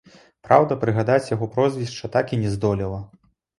Праўда, прыгадаць яго прозвішча так і не здолела.